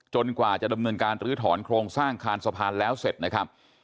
กว่าจะดำเนินการลื้อถอนโครงสร้างคานสะพานแล้วเสร็จนะครับ